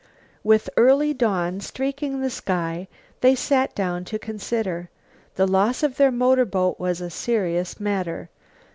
With early dawn streaking the sky they sat down to consider. The loss of their motorboat was a serious matter.